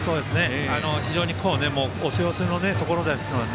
非常に押せ押せのところですので。